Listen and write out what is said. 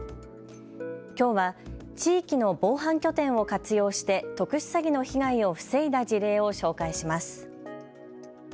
きょうは地域の防犯拠点を活用して特殊詐欺の被害を防いだ事例を紹介します。